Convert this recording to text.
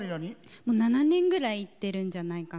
もう７年ぐらい行ってるんじゃないかな。